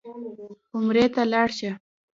عمرې ته لاړ شه.